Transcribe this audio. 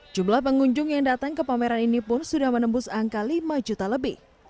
jumlah pengunjung yang datang ke pameran ini pun sudah menembus angka lima juta lebih